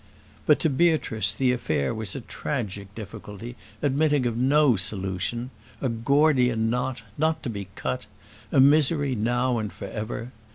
But to Beatrice the affair was a tragic difficulty, admitting of no solution; a Gordian knot, not to be cut; a misery now and for ever.